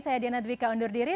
saya diana dwika undur diri